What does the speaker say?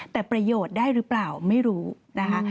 แต่ประโยชน์ได้หรือเปล่าไม่รู้นะคะ